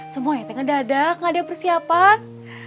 semua itu ngedadak nggak ada persiapan